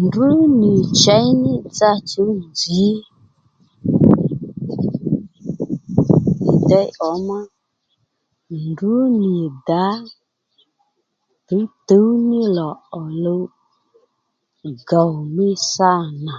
Ndrǔ nì chěy ní dza tsǐ nzǐ ì déy ǒmá nì ndrǔ nì dǎ tǔwtǔw ní lò ò luw gòw mí sâ nà